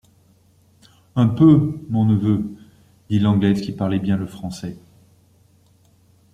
Un peu, mon neveu, dit l’Anglaise qui parlait bien le français.